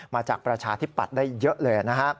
มาจากประชาธิบัติได้เยอะเลย